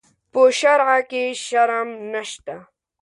په شرعه کې شرم نشته.